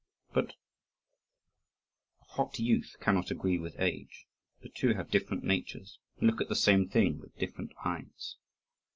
But hot youth cannot agree with age; the two have different natures, and look at the same thing with different eyes.